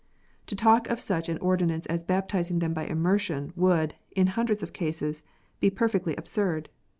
To talk of such an ordinance as baptizing them by " immersion " would, in hundreds of cases, be perfectly absurd.